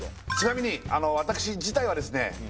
ちなみに私自体はですね